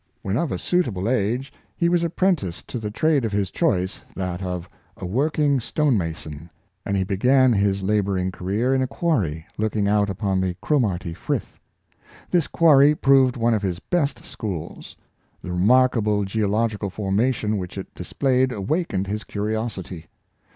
When of a suitable age he was apprenticed to the trade of his choice — that of a working stone mason; and he began his laboring career in a quarry looking out upon the Cromarty Frith. This quarry proved one of his best schools. The remarkable geological formation which it displayed awakened his curiosity.